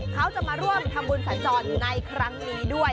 เขาจะมาร่วมทำบุญสัญจรในครั้งนี้ด้วย